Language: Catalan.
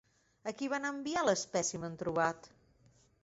A qui van enviar l'espècimen trobat?